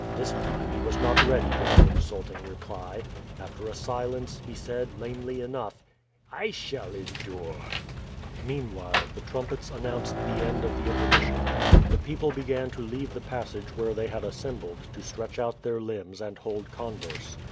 This time he was not ready with an insulting reply. After a silence, he said, lamely enough: "I &hall endure!" Meanwhile, the trumpets announced the end of the inter mission. The people began to leave the passage where they had assembled to stretch out their limbs and hold converse.